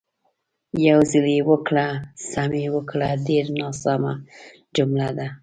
"یو ځل یې وکړه، سم یې وکړه" ډېره ناسمه جمله ده.